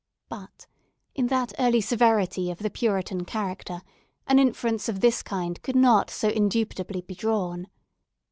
But, in that early severity of the Puritan character, an inference of this kind could not so indubitably be drawn.